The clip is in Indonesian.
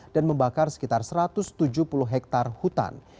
dan membakar sekitar satu ratus tujuh puluh hektare hutan